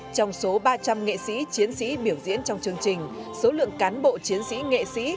trong số ba trăm linh nghệ sĩ chiến sĩ biểu diễn trong chương trình số lượng cán bộ chiến sĩ nghệ sĩ